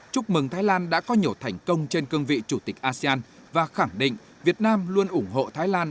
chúc mừng thái lan đã có nhiều thành công trên cương vị chủ tịch asean và khẳng định việt nam luôn ủng hộ thái lan